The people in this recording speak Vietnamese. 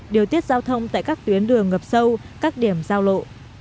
điều tiết giao thông tại các tuyến đường ngập sâu các điểm giao lộ